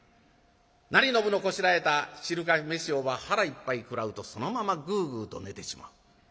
成信のこしらえた汁かけ飯をば腹いっぱい食らうとそのままぐうぐうと寝てしまう。